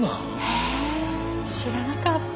へえ知らなかった。